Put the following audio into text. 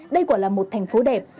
đây quả là một thành phố đẹp